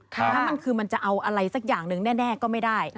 ถ้ามันคือมันจะเอาอะไรสักอย่างหนึ่งแน่ก็ไม่ได้